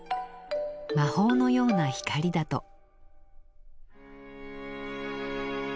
魔法のような光だと。